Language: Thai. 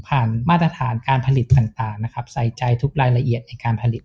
ผ่านมาตรฐานการผลิตต่างใส่ใจทุกรายละเอียดในการผลิต